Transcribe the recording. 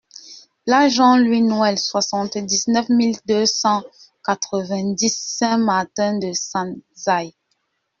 Place Jean Louis Noel, soixante-dix-neuf mille deux cent quatre-vingt-dix Saint-Martin-de-Sanzay